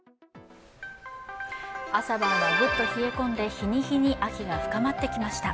朝晩はぐっと冷え込んで、日に日に秋が深まってきました。